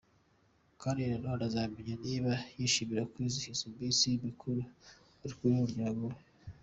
Kandi na none uzamenya niba yishimira kwizihiza iminsi mikuru ari kumwe n’umuryango we.